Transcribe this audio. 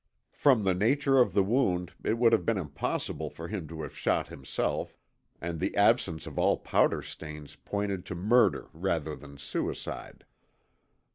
From the nature of the wound it would have been impossible for him to have shot himself, and the absence of all powder stains pointed to murder rather than suicide.